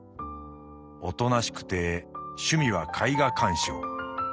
おとなしくて趣味は絵画鑑賞。